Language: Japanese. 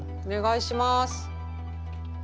お願いします。